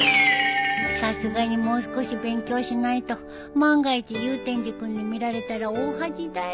さすがにもう少し勉強しないと万が一祐天寺君に見られたら大恥だよ